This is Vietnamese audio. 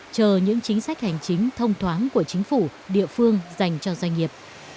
chờ những chính sách hành chính thông thoáng của chính phủ địa phương dành cho doanh nghiệp